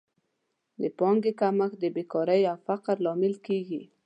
د پانګې کمښت د بېکارۍ او فقر لامل کیږي.